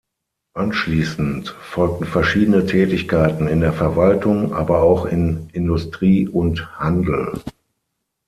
Anschließend folgten verschiedene Tätigkeiten in der Verwaltung, aber auch in Industrie und Handel.